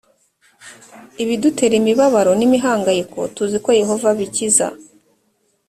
ibidutera imibabaro n imihangayiko tuzi ko yehova abikiza